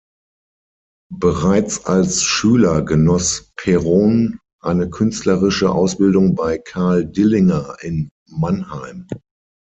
Bereits als Schüler genoss Perron eine künstlerische Ausbildung bei Karl Dillinger in Mannheim.